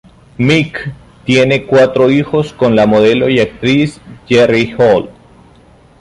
Mick tiene cuatro hijos con la modelo y actriz Jerry Hall.